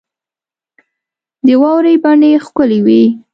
د واورې بڼې ښکلي وې.